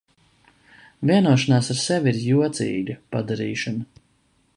Vienošanās ar sevi ir jocīga padarīšana.